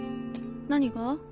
何が？